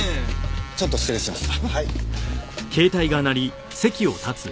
ちょっと失礼します。